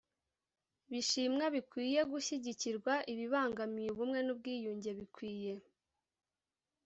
bishimwa bikwiye gushyigikirwa ibibangamiye ubumwe n ubwiyunge bikwiye